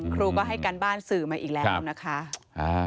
ครูก็ให้การบ้านสื่อมาอีกแล้วนะคะ